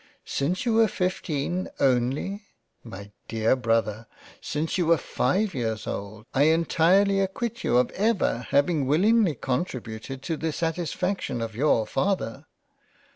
Since you were fifteen only ! My Dear Brothel 12 £ LOVE AND FREINDSHIP £ since you were five years old, I entirely acquit you of ever having willingly contributed to the satisfaction of your Father.